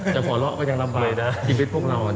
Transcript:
หัวเราะก็ยังลำบากนะชีวิตพวกเรา